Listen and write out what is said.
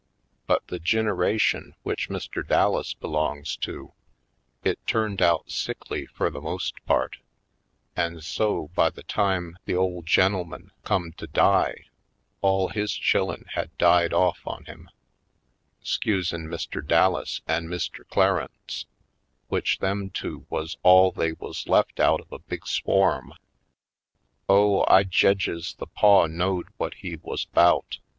"But the gineration w'ich Mr. Dallas belongs to, it turned out sickly fur the most part, an' so, by the time the ole gen'elman come to die, all his chillen had died ofif on him, 'scusin' Mr. Dallas an' Mr. Clarence, w'ich them two wuz all they wuz left out of a big swarm. Oh, I jedges the paw knowed whut he wuz 'bout!